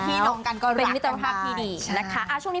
เป็นที่ลงกันก็รักกันมาก